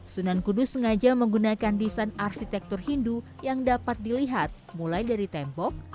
sunan kudus sengaja menggunakan desain arsitektur hindu yang dapat dilihat mulai dari tembok